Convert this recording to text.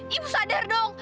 ibu sadar dong